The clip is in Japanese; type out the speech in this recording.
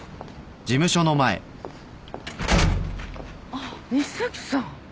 あっ西崎さん。